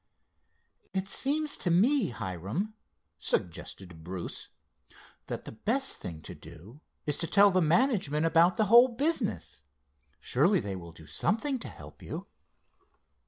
"It seems to me, Hiram," suggested Bruce, "that the best thing to do is to tell the management about the whole business. Surely they will do something to help you."